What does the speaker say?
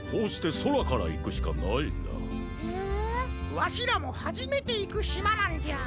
わしらもはじめていくしまなんじゃ。